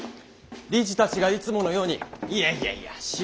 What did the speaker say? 理事たちがいつものように「いやいやいや知りませんよ。